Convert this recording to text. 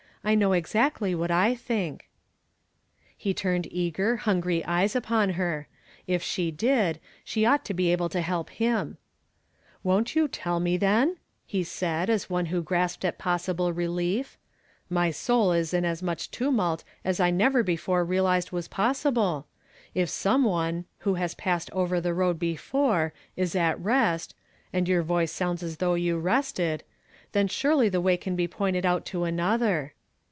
I know exactly what I think," He turned eager, hungry eyes upon her. If she 4id, she ought to be able to help him, ." Won't you tell me, then ?" he said, as .one who grasped at possible relief, " My soul is in such a tumult as I never before realized Ay^is possible.. If some one, who has passed over the xoad before, is at rest, — and your voice sounds as thoug^h you rested, — then surely the way can be pointed out to another."